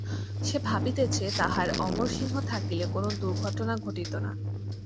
সে ভাবিতেছে তাহার অমরসিংহ থাকিলে কোনো দুর্ঘটনা ঘটিত না।